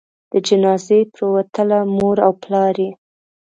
د جنازې پروتله؛ مور او پلار یې